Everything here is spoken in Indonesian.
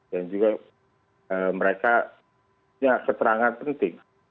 dan juga mereka punya keterangan penting